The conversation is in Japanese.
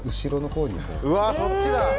うわそっちだ！